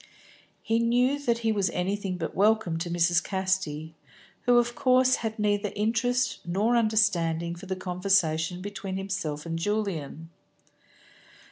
He knew that he was anything but welcome to Mrs. Casti, who of course had neither interest nor understanding for the conversation between himself and Julian.